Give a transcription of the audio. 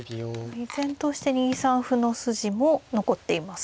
依然として２三歩の筋も残っていますよね。